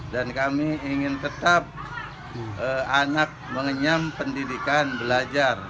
dan kami ingin tetap anak mengenyam pendidikan belajar